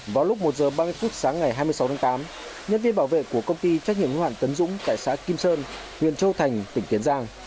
vào lúc một giờ ba mươi phút sáng ngày hai mươi sáu tháng tám nhân viên bảo vệ của công ty trách nhiệm hữu hạn tấn dũng tại xã kim sơn huyện châu thành tỉnh tiền giang